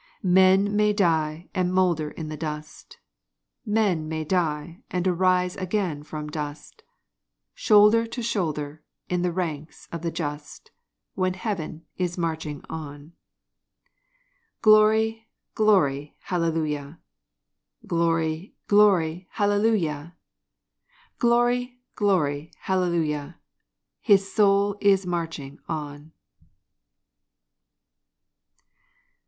Men may die, and molder in the dust Men may die, and arise again from dust, Shoulder to shoulder, in the ranks of the Just, When Heaven is marching on. Glory, glory, hallelujah! Glory, glory, hallelujah! Glory, glory, hallelujah! His soul is marching on.